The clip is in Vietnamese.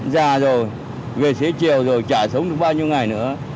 già rồi về xế chiều rồi trả sống được bao nhiêu ngày nữa